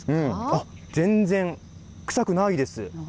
あっ、全然、臭くないです。